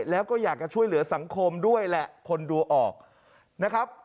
แล้วก็อยากจะช่วยเหลือสังคมด้วยแหละคนดูออกนะครับ